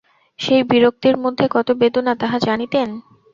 সেই বিরক্তির মধ্যে কত বেদনা তাহা জানিতেন।